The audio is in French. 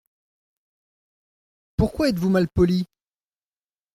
Pourquoi êtes-vous malpoli ?